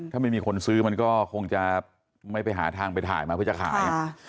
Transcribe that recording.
ถ้าไม่มีคนซื้อมันก็คงจะไม่ไปหาทางไปถ่ายมาเพื่อจะขาย